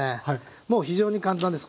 もう非常に簡単です。